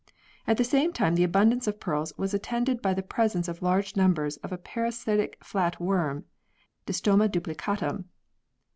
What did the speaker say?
At the same time the abundance of pearls was attended by the presence of large numbers of a parasitic flat worm (Distoma duplicatum).